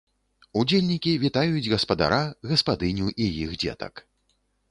Удзельнікі вітаюць гаспадара, гаспадыню і іх дзетак.